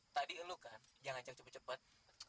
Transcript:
tadi lo kan yang ajak cepet cepet